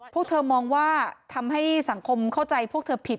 พวกเธอมองว่าทำให้สังคมเข้าใจพวกเธอผิด